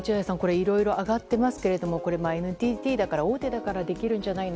いろいろ挙がってますがＮＴＴだから、大手だからできるんじゃないの。